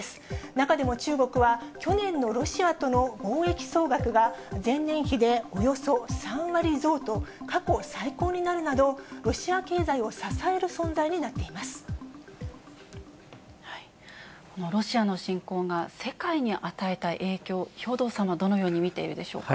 中でも中国は、去年のロシアとの貿易総額が、前年比でおよそ３割増と、過去最高になるなど、ロシア経済を支えロシアの侵攻が世界に与えた影響、兵頭さんはどのように見ているでしょうか。